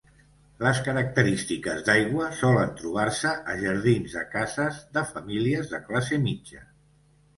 Les característiques d'aigua solen trobar-se a jardins de cases de famílies de classe mitja.